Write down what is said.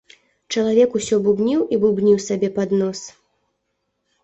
Чалавек усё бубніў і бубніў сабе пад нос.